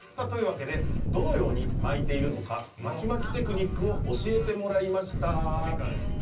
どのように巻いているのか巻き巻きテクニックを教えてもらいました。